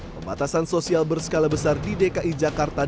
pembatasan sosial berskala besar di dki jakarta